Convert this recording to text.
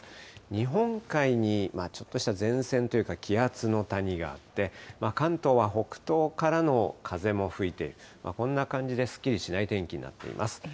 日本海にちょっとした前線というか、気圧の谷があって、関東は北東からの風も吹いて、こんな感じですっきりしない天気になっています。